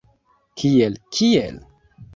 Kiel, kiel?